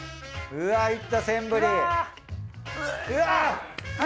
うわっ！